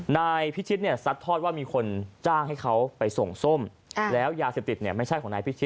นายพิชิตเนี่ยซัดทอดว่ามีคนจ้างให้เขาไปส่งส้มแล้วยาเสพติดเนี่ยไม่ใช่ของนายพิชิต